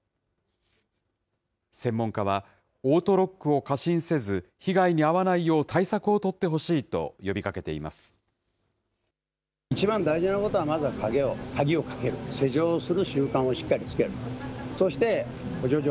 専門家は、オートロックを過信せず、被害に遭わないよう対策を取ってほしいと呼びかけています。